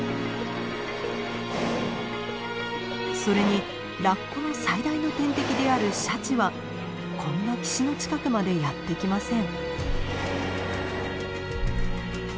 それにラッコの最大の天敵であるシャチはこんな岸の近くまでやって来ません。